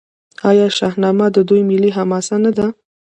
آیا شاهنامه د دوی ملي حماسه نه ده؟